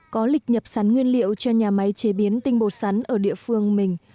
có lịch nhập sắn nguyên liệu cho nhà máy chế biến tinh bột sắn ở địa phương mình